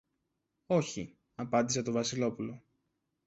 Όχι, απάντησε το Βασιλόπουλο.